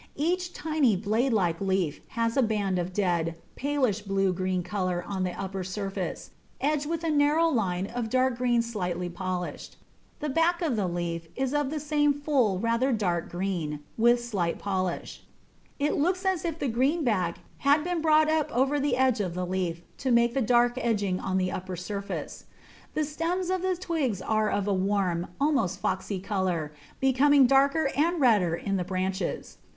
Each tiny, blade like leaf has a band of dead, palest bluish green colour on the upper surface, edged with a narrow line of dark green slightly polished; the back of the leaf is of the same full, rather dark green, with slight polish; it looks as if the green back had been brought up over the edge of the leaf to make the dark edging on the upper surface. The stems of the twigs are of a warm, almost foxy colour, becoming darker and redder in the branches.